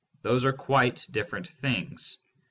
Those are quite different things.